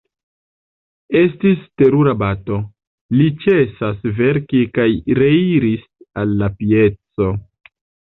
Estis terura bato: li ĉesas verki kaj reiris al la pieco.